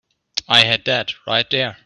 I had that right here.